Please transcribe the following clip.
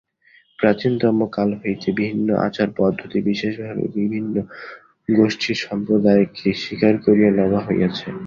প্রাচীনতম কাল হইতে ভিন্ন আচার-পদ্ধতি, বিশেষভাবে বিভিন্ন গোষ্ঠীর ধর্মসম্প্রদায়কে স্বীকার করিয়া লওয়া হইয়াছে।